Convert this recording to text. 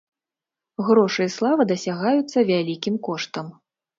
Грошы і слава дасягаюцца вялікім коштам.